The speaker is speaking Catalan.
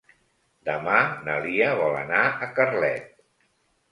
Demà na Lia vol anar a Carlet.